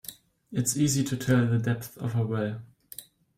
It's easy to tell the depth of a well.